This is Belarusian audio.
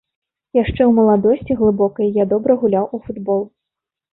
Яшчэ ў маладосці глыбокай я добра гуляў у футбол.